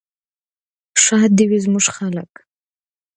ښاد دې وي زموږ خلک.